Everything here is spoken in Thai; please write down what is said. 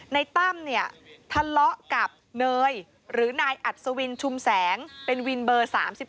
ตั้มเนี่ยทะเลาะกับเนยหรือนายอัศวินชุมแสงเป็นวินเบอร์๓๒